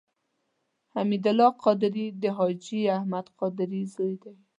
حمید الله قادري د حاجي احمد قادري زوی دی.